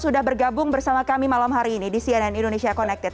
sudah bergabung bersama kami malam hari ini di cnn indonesia connected